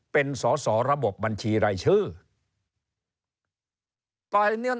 เป็นสอสอระบบบัญชีรายชื่อ